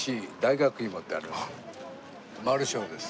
丸昇です。